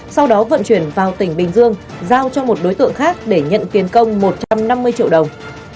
sau đó vận chuyển vào tỉnh bình dương giao cho một đối tượng khác để nhận tiền công một trăm năm mươi triệu đồng